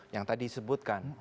yang tadi disebutkan